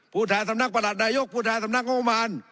ผู้แทนทำงานประหลัดนายกผู้แทนทำงานกรมบาล